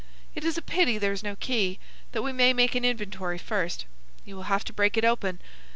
"It is a pity there is no key, that we may make an inventory first. You will have to break it open.